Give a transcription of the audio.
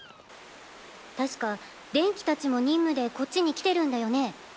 確かデンキたちも任務でこっちに来てるんだよね？